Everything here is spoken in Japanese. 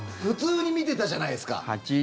普通に見てたじゃないですか。